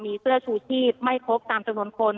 มีเสื้อชูชีพไม่ครบตามจำนวนคน